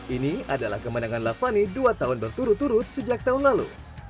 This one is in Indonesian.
ini adalah kemenangan lavani dua tahun berturut turut sejak tahun lalu